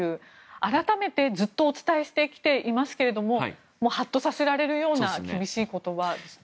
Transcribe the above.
改めてずっとお伝えしてきていますけれどもハッとさせられるような厳しい言葉ですね。